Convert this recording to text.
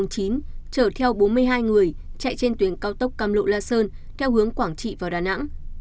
chở theo bốn mươi hai người chạy trên tuyến cao tốc cam lộ la sơn theo hướng quảng trị vào đà nẵng